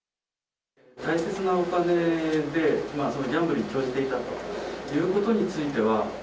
大切なお金で、ギャンブルに興じていたということについては。